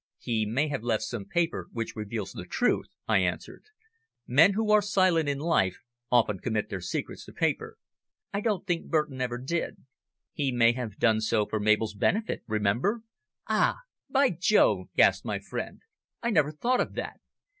"He may have left some paper which reveals the truth," I answered. "Men who are silent in life often commit their secrets to paper." "I don't think Burton ever did." "He may have done so for Mabel's benefit, remember." "Ah! by Jove!" gasped my friend, "I never thought of that.